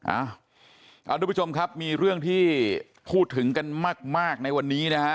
เอาทุกผู้ชมครับมีเรื่องที่พูดถึงกันมากในวันนี้นะฮะ